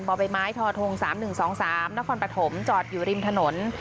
ใบไม้ทอทง๓๑๒๓นครปฐมจอดอยู่ริมถนน